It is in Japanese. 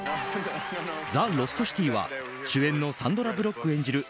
「ザ・ロストシティ」は主演のサンドラ・ブロック演じる